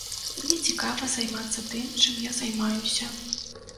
Мне цікава займацца тым, чым я займаюся.